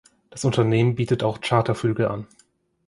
Das Unternehmen bietet auch Charterflüge an.